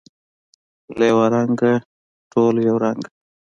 له یوه رنګه، ټوله یو رنګه